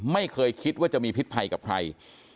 ไม่เคยคิดว่าจะมีพิษภัยกับใคร